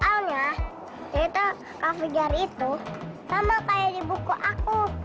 soalnya cerita kak fajar itu sama kayak di buku aku